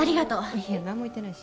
いやなんも言ってないし。